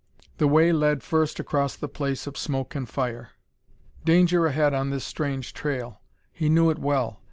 The way led first across the place of smoke and fire. Danger ahead on this strange trail; he knew it well.